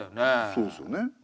そうですよね。